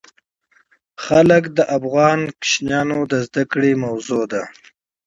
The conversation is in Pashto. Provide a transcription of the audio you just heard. وګړي د افغان ماشومانو د زده کړې موضوع ده.